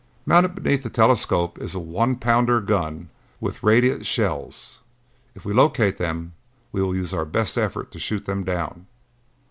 "Mounted beneath the telescope is a one pounder gun with radite shells. If we locate them, we will use our best efforts to shoot them down."